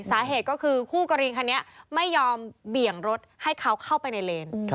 สาเหตุก็คือคู่กรณีคันนี้ไม่ยอมเบี่ยงรถให้เขาเข้าไปในเลน